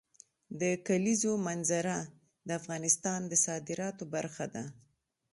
د کلیزو منظره د افغانستان د صادراتو برخه ده.